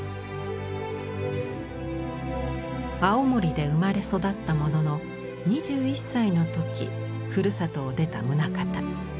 青森で生まれ育ったものの２１歳の時ふるさとを出た棟方。